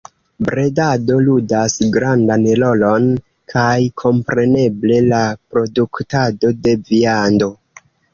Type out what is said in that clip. Bredado ludas grandan rolon, kaj kompreneble la produktado de viando.